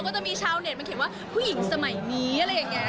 ก็จะมีชาวเน็ตมาเขียนว่าผู้หญิงสมัยนี้อะไรอย่างนี้